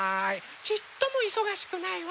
ちっともいそがしくないわ。